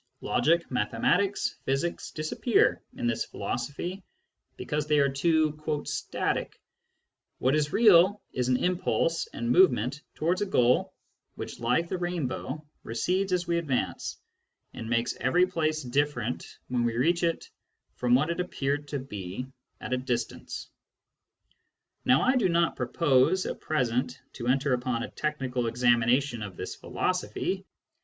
Logic, mathematics, physics disappear in this philosophy, because they are too " static "; what is real is an impulse and movement towards a goal which, like the rainbow, recedes as we advance, and makes every place different when we reach it from what it appeared to be at a distance. Now 1 do not propose at present to enter upon a technical examination of this philosophy.